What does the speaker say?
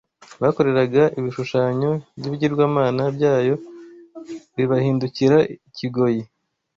Bakoreraga ibishushanyo by’ibigirwamana byayo, bibahindukira ikigoyi